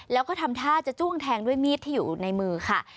แล้วก็ทำท่าจะจ้วงแทงด้วยมีดที่อยู่ในมือค่ะ